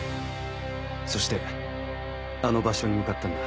そしてあの場所に向かったんだ。